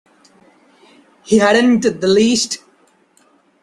He hadn't the least.